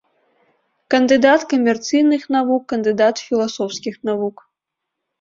Кандыдат камерцыйных навук, кандыдат філасофскіх навук.